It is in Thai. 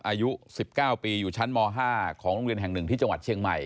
อายุ๑๙ปีอยู่ชั้นม๕ของโรงเรียนแห่งหนึ่งที่จังหวัดเชียงใหม่